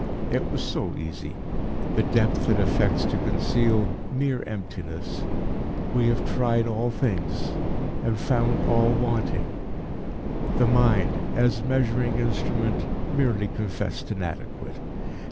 It was so easy; the depth it affects to conceal, mere emptiness. "We have tried all things, and found all wanting" the mind, as measuring instrument, merely confessed inadequate.